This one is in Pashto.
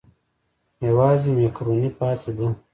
یوازې مېکاروني پاتې ده.